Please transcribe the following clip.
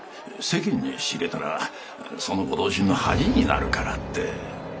世間に知れたらそのご同心の恥になるから」って。